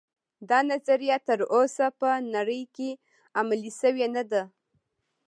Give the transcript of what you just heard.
دا نظریه تر اوسه په نړۍ کې عملي شوې نه ده